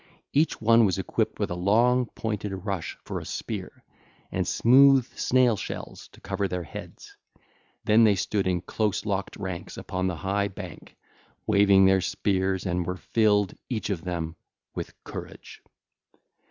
Each one was equipped with a long, pointed rush for a spear, and smooth snail shells to cover their heads. Then they stood in close locked ranks upon the high bank, waving their spears, and were filled, each of them, with courage.